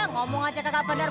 ngomong aja kagak bener